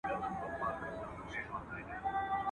o هم فقر کوي، هم ئې خر لغتي وهي.